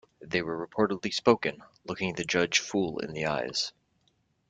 They were reportedly spoken looking the judge full in the eyes.